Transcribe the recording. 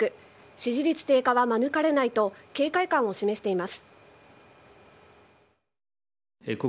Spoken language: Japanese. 支持率低下は免れないと警戒感を示しています。